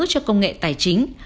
cho công nghệ tài chính